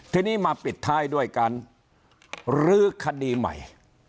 ทีนี้มาปิดท้ายด้วยการลื้อคดีใหม่